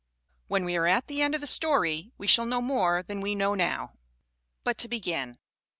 When we are at the end of the story, we shall know more than we know now: but to begin.